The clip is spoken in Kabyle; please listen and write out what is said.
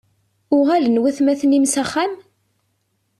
Uɣalen watmaten-im s axxam?